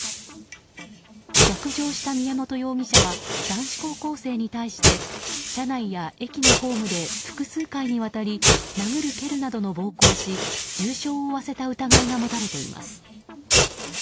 逆上した宮本容疑者は男子高校生に対して車内や駅のホームで複数回にわたり殴る蹴るなどの暴行をし重傷を負わせた疑いが持たれています。